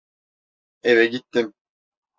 Eve gittim.